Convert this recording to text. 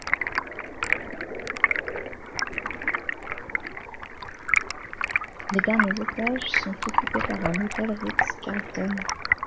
Les derniers étages sont occupés par un hôtel Ritz-Carlton.